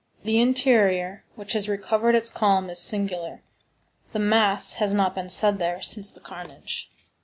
The interior, which has recovered its calm, is singular. The mass has not been said there since the carnage.